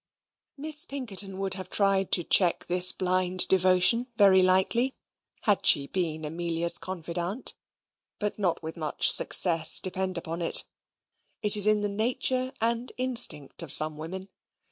Miss Pinkerton would have tried to check this blind devotion very likely, had she been Amelia's confidante; but not with much success, depend upon it. It is in the nature and instinct of some women.